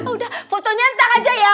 udah fotonya ntar aja ya